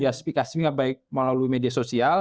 ya speak as nya baik melalui media sosial